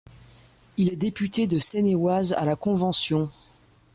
Il est député de Seine-et-Oise à la Convention.